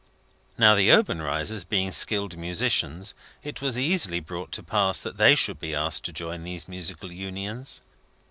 Now, the Obenreizers being skilled musicians, it was easily brought to pass that they should be asked to join these musical unions.